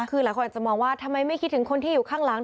คือหลายคนอาจจะมองว่าทำไมไม่คิดถึงคนที่อยู่ข้างหลัง